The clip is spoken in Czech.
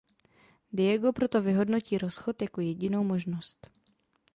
Diego proto vyhodnotí rozchod jako jedinou možnost.